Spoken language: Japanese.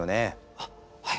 あっはい。